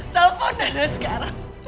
telepon nana sekarang